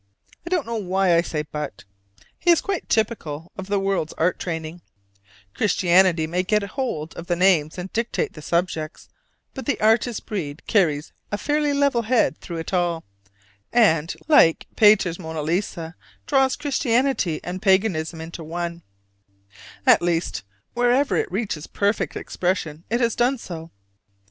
I don't know why I say "but"; he is quite typical of the world's art training: Christianity may get hold of the names and dictate the subjects, but the artist breed carries a fairly level head through it all, and, like Pater's Mona Lisa, draws Christianity and Paganism into one: at least, wherever it reaches perfect expression it has done so.